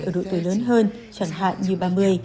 người trẻ ở độ tuổi lớn hơn chẳng hạn như ba mươi